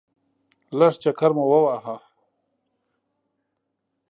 لږ چکر مو وواهه.